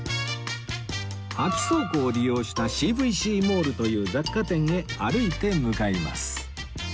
空き倉庫を利用した Ｃ．Ｖ．Ｃ モールという雑貨店へ歩いて向かいます